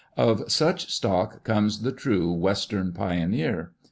Of such stock comes the true Western Pioneer.